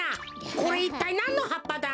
これいったいなんのはっぱだ？